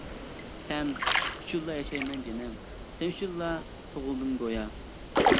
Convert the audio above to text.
سەن ئۈچۈنلا ياشايمەن جېنىم، سەن ئۈچۈنلا تۇغۇلدۇم گويا.